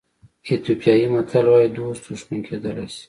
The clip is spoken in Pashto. ایتیوپیایي متل وایي دوست دښمن کېدلی شي.